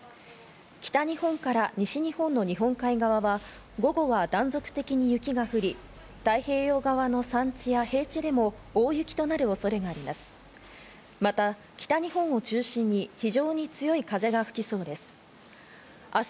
北日本から西日本の日本海側は午後は断続的に雪が降り、太平洋側の山地や平地でも大雪となる恐れがあります。